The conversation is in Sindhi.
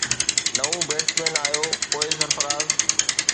نئون بيٽسمين آيو پوءِ سرفراز